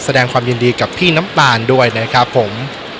แสดงความยินดีกับพี่น้ำตาลด้วยนะครับผม